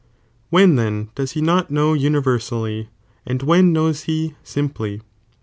When then does he not know unl rersally, and when knows he simply ?